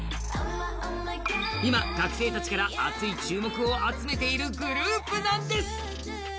今、学生たちから熱い注目を集めているグループなんです。